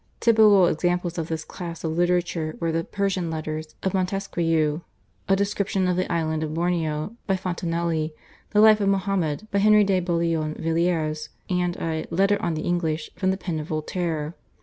Typical examples of this class of literature were the /Persian Letters/ of Montesquieu, /A Description of the Island of Borneo/ by Fontanelle, /The Life of Mohammed/ by Henri de Bouillon Villiers, and a /Letter on the English/ from the pen of Voltaire.